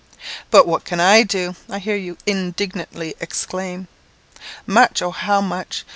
"But what can I do?" I hear you indignantly exclaim. Much; oh, how much!